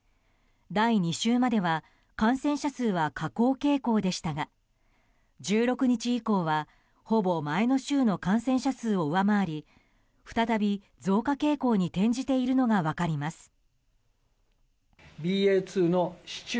第２週までは感染者数は下降傾向でしたが１６日以降はほぼ前の週の感染者数を上回り再び増加傾向に転じているのが分かります。